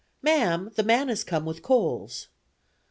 'Ma'am, the man is come with coals.'